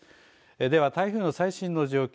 では台風の最新の状況